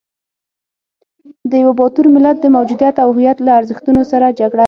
د یوه باتور ملت د موجودیت او هویت له ارزښتونو سره جګړه ده.